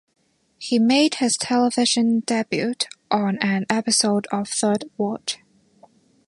He made his television debut on an episode of "Third Watch".